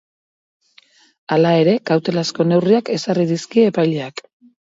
Hala ere, kautelazko neurriak ezarri dizkie epaileak.